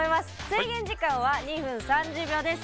制限時間は２分３０秒です。